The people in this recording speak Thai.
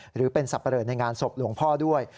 หรือเป็นสับปะเลอในงานศพหลวงพ่อด้วย